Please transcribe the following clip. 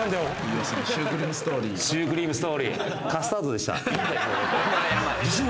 シュークリームストーリー。